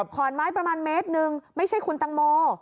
ขอนไม้ประมาณเมตรหนึ่งไม่ใช่คุณตังโม